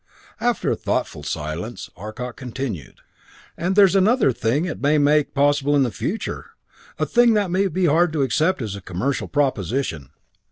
After a thoughtful silence, Arcot continued, "And there is another thing it may make possible in the future a thing that may be hard to accept as a commercial proposition.